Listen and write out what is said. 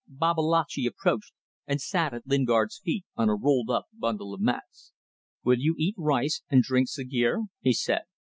Babalatchi approached, and sat at Lingard's feet on a rolled up bundle of mats. "Will you eat rice and drink sagueir?" he said.